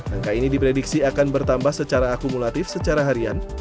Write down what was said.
angka ini diprediksi akan bertambah secara akumulatif secara harian